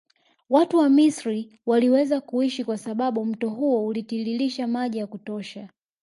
Watu wa Misri waliweza kuishi kwa sababu mto huo ulitiiririsha maji ya kutosha